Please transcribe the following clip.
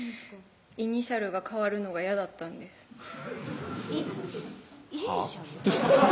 イニシャルが変わるのが嫌だったんですはぁ？